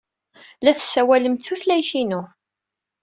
La tessawalemt tutlayt-inu.